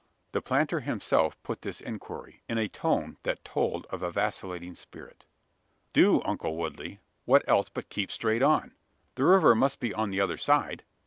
The planter himself put this inquiry, in a tone that told of a vacillating spirit. "Do, uncle Woodley! What else but keep straight on? The river must be on the other side?